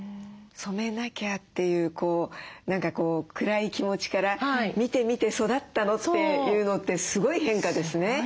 染めなきゃっていう何か暗い気持ちから「見て見て育ったの」っていうのってすごい変化ですね。